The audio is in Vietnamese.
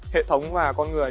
hệ thống và con người